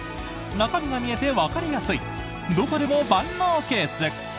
中身が見えてわかりやすいどこでも万能ケース！